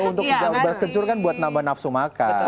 untuk beras kencur kan buat nambah nafsu makan